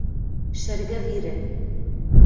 Шӹргӹ пирӹ!..